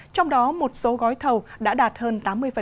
trong đó một số gói thầu đã đạt hơn tám mươi